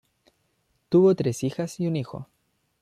Tuvo tres hijas y un hijo.